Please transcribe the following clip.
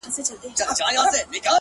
صادق چلند اعتماد ژوروي